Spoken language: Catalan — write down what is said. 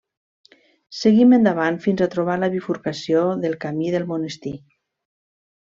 Seguim endavant fins a trobar la bifurcació del camí del monestir.